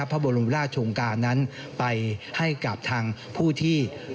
พระบรมราชงการนั้นไปให้กับทางผู้ที่